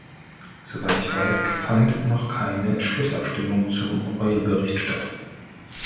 Soweit ich weiß, fand noch keine Schlussabstimmung zum Reul-Bericht statt.